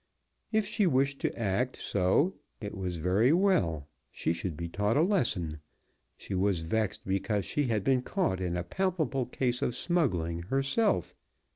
If she wished to act so it was very well she should be taught a lesson. She was vexed because she had been caught in a palpable case of smuggling herself.